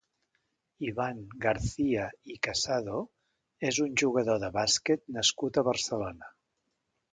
Ivan Garcia i Casado és un jugador de bàsquet nascut a Barcelona.